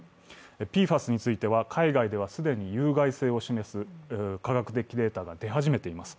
ＰＦＡＳについては海外では既に有害性を示す科学的データが出始めています。